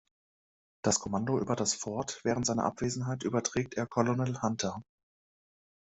Das Kommando über das Fort während seiner Abwesenheit überträgt er Colonel Hunter.